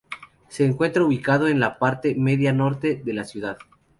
Se encuentra ubicado en la parte media-norte de la ciudad.